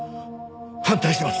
反対します。